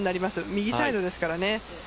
右サイドですからね。